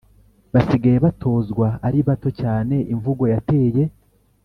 basigaye batozwa ari bato cyane imvugo yateye